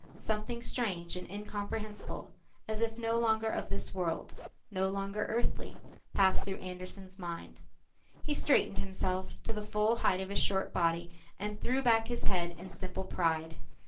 Something strange and incomprehensible, as if no longer of this world, no longer earthly, passed through Andersen's mind. He straightened himself to the full height of his short body and threw back his head in simple pride.